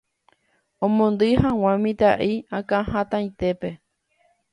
omondýi hag̃ua mitã'i akãhatãitépe.